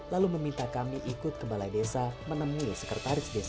lalu meminta kami ikut ke balai desa menemui sekretaris desa